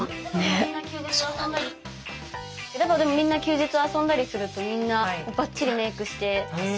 でもみんな休日遊んだりするとみんなバッチリメークして。